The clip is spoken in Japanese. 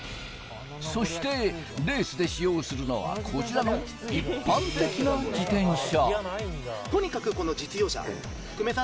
そしてレースで使用するのは、こちらの一般的な自転車。